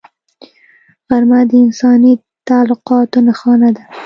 غرمه د انساني تعلقاتو نښانه ده